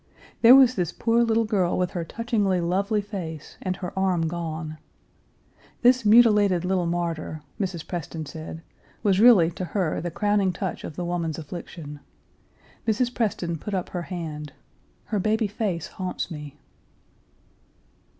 There was this poor little girl with her touchingly lovely face, and her arm gone. This mutilated little martyr, Mrs. Preston said, was really to her the crowning touch of the woman's affliction. Mrs. Preston put up her hand, "Her baby face haunts me."